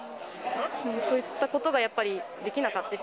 そういったことがやっぱりできなかった？